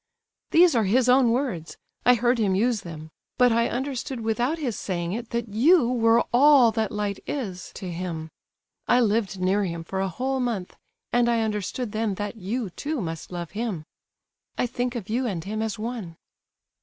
These are his own words—I heard him use them. But I understood without his saying it that you were all that light is to him. I lived near him for a whole month, and I understood then that you, too, must love him. I think of you and him as one."